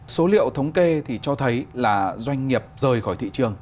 số liệu thống kê thì cho thấy là doanh nghiệp rời khỏi thị trường